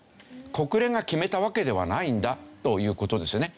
国連が決めたわけではないんだという事ですよね。